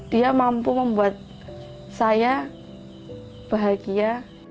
dia mampu membuat saya bahagia